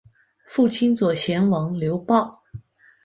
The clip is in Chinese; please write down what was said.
父亲左贤王刘豹。